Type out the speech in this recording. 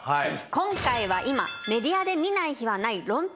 今回は今メディアで見ない日はない論破